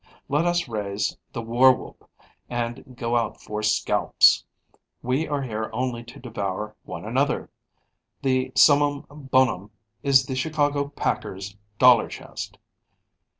Let us raise the war whoop and go out for scalps; we are here only to devour one another; the summum bonum is the Chicago packer's dollar chest!